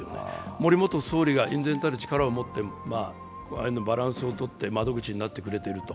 森元総理が厳然たる力を持って、ああいうバランスを取って窓口になってくれていると。